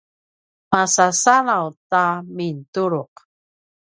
masasalaw ta mintuluq